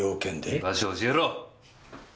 居場所教えろ！